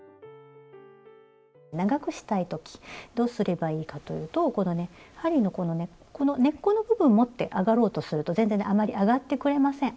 長くしたい時どうすればいいかというとこのね針のこの根っこの部分持って上がろうとすると全然ねあまり上がってくれません。